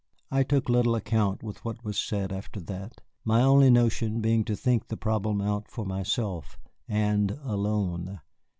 I took little account of what was said after that, my only notion being to think the problem out for myself, and alone.